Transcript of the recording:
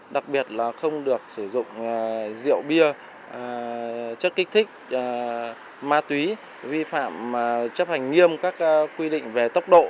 đặc biệt là không được sử dụng rượu bia chất kích thích ma túy vi phạm chấp hành nghiêm các quy định về tốc độ